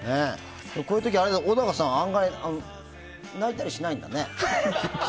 こういう時、小高さん案外泣いたりしないんだね。